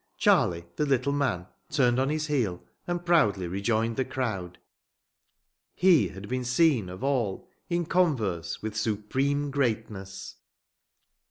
Charlie, the little man, turned on his heel and proudly rejoined the crowd. He had been seen of all in converse with supreme greatness.